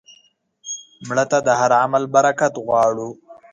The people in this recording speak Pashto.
مړه ته د هر عمل برکت غواړو